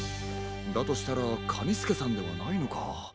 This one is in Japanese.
だとしたらカニスケさんではないのか。